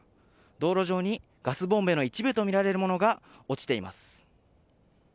道路上にガスボンベの一部とみられるものが落ちています。